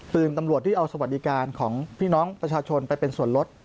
ตำรวจที่เอาสวัสดิการของพี่น้องประชาชนไปเป็นส่วนลด